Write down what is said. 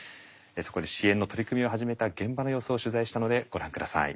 そこで支援の取り組みを始めた現場の様子を取材したのでご覧下さい。